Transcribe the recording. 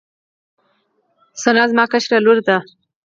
ثنا زما کشره لور ده